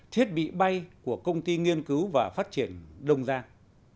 thiết bị bay của công ty nghiên cứu và phát triển đông giang